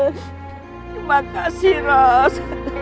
terima kasih ros